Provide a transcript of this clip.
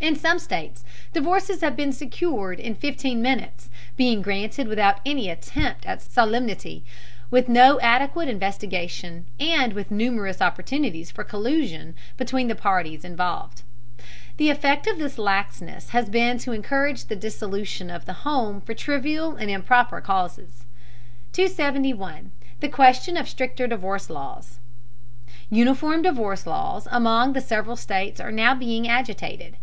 In some states divorces have been secured in fifteen minutes, being granted without any attempt at solemnity, with no adequate investigation, and with numerous opportunities for collusion between the parties involved. The effect of this laxness has been to encourage the dissolution of the home for trivial and improper causes. 271. THE QUESTION OF STRICTER DIVORCE LAWS. Uniform divorce laws among the several states are now being agitated.